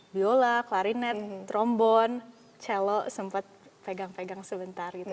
viola klarinet trombon cello sempat pegang pegang sebentar gitu